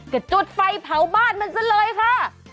ก็จุดไฟเผาบ้านมันซะเลยค่ะ